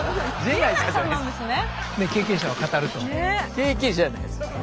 経験者じゃないですけど。